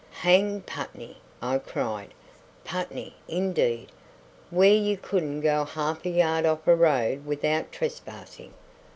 "Hang Putney!" I cried. "Putney, indeed! where you couldn't go half a yard off a road without trespassing.